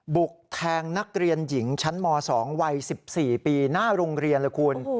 บุกแทงนักเรียนหญิงชั้นม๒วัย๑๔ปีหน้าโรงเรียนเลยคุณ